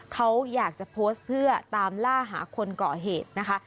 เขาอยากจะโพสต์เพื่อตามล่าหาคนก่อเหตุนะคะ